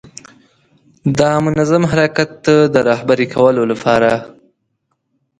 د منظم حرکت د رهبري کولو لپاره.